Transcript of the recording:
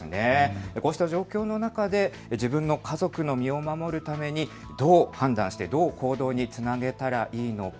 こうした状況の中で自分の家族の身を守るためにどう判断してどう行動につなげたらいいのか。